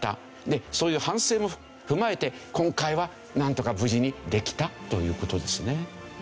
そういう反省も踏まえて今回はなんとか無事にできたという事ですね。